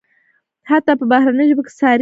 حتی په بهرنیو ژبو کې ساری نلري.